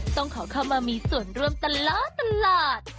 ต้องขอเข้ามามีส่วนร่วมตลอดตลาด